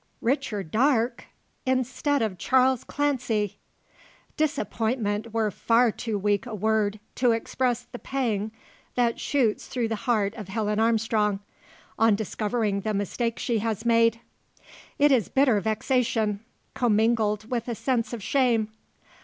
Richard Darke instead of Charles Clancy! Disappointment were far too weak a word to express the pang that shoots through the heart of Helen Armstrong, on discovering the mistake she has made. It is bitter vexation, commingled with a sense of shame.